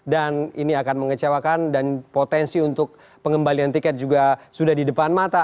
dan ini akan mengecewakan dan potensi untuk pengembalian tiket juga sudah di depan mata